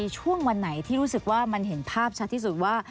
ช่วงวันไหนที่รู้สึกว่ามันเห็นภาพชัดที่สุดว่า